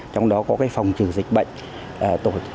trong đó có cái phòng trừ dịch bệnh và cải tạo đàn trâu bò cải nền và tốt